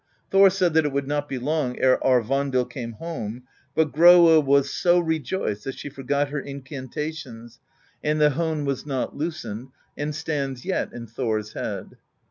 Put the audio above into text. Thor said that it would not be long ere Aurvandill came home: but Groa was so rejoiced that she forgot her incantations, and the hone was not loosened, and stands yet in Thor's head.